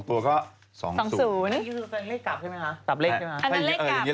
อย่ามาบอกว่าเลข๓ตัวอะไรโต๊ะเต็งอะไรอย่างนี้นะ